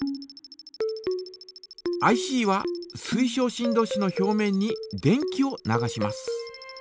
ＩＣは水晶振動子の表面に電気を流します。